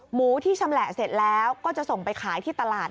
หมูที่ชำแหละเสร็จแล้วก็จะส่งไปขายที่ตลาด